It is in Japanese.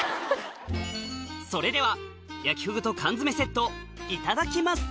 それでは焼きふぐと缶詰セットいただきます！